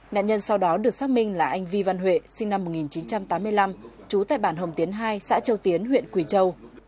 nạn nhân sau đó được xác minh là anh vi văn huệ sinh năm một nghìn chín trăm tám mươi năm trú tại bản hồng tiến hai xã châu tiến huyện quỳ châu